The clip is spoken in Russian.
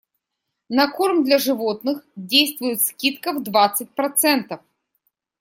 На корм для животных действует скидка в двадцать процентов.